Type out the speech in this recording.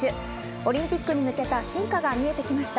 オリンピックに向けた進化が見えてきました。